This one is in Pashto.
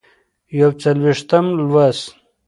یوڅلوېښتم لوست